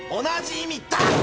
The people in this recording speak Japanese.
同じ意味だ！